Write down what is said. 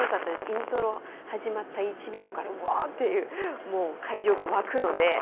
イントロ始まった１秒からわーっていう、もう会場が沸くので。